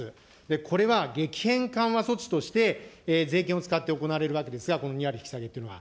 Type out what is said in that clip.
これは激変緩和措置として税金を使って行われるわけですが、この２割引き下げっていうのは。